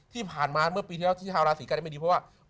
ที่ผ่านมาเมื่อปีที่แล้วที่ชาวราศีกันได้ไม่ดีเพราะว่า